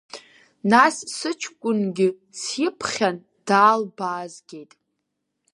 Нас сыҷкәынгьы сиԥхьан даалбаазгеит.